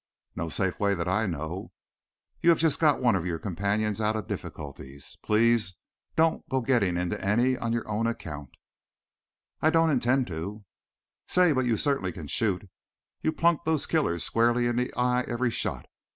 "No safe way that I know. You have just got one of your companions out of difficulties. Please don't go to getting into any on your own account." "I don't intend to." "Say, but you certainly can shoot. You plunked those killers squarely in the eye every shot.